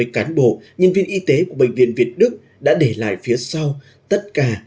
ba trăm năm mươi cán bộ nhân viên y tế của bệnh viện việt đức đã để lại phía sau tất cả